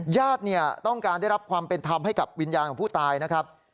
ญาติต้องการได้รับความเป็นธรรมให้กับวิญญาณของผู้ตายนะครับ